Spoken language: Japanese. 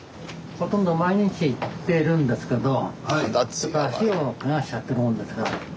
ほとんど毎日行ってるんですけど足をケガしちゃってるもんですから。